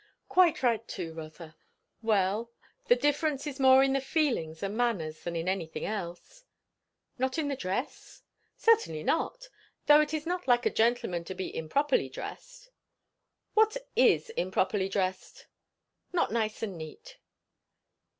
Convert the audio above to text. "Quite right, too, Rotha. Well the difference is more in the feelings and manners than in anything else." "Not in the dress?" "Certainly not. Though it is not like a gentleman to be improperly dressed." "What is 'improperly dressed.'" "Not nice and neat."